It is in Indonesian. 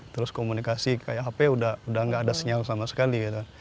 terus komunikasi kayak hp udah gak ada sinyal sama sekali gitu